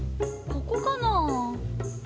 ここかなぁ？